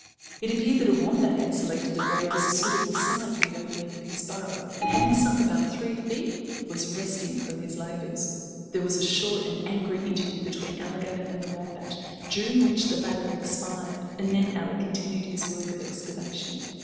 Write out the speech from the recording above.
It appeared that a wombat had selected the grave as a suitable site for the opening of his burrow and after having sunk about three feet, was resting from his labours. There was a short and angry interview between Alligator and the wombat, during which the latter expired, and then Ally continued his work of excavation.